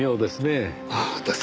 ああ確かに。